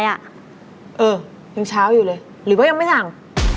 ยังเช้าอยู่เลยหรือว่ายังไม่สั่ง